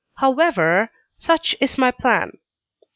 However, such is my plan.